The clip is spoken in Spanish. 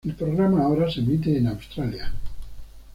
El programa ahora se emite en Australia.